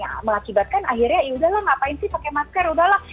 yang mengakibatkan akhirnya yaudahlah ngapain sih pakai masker udahlah